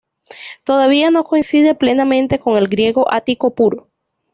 Todavía no coincide plenamente con el griego ático puro.